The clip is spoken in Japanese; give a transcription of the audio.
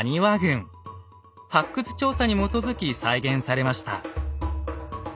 発掘調査に基づき再現されました。